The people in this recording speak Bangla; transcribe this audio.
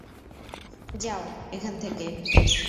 যাও, এখান থেকে।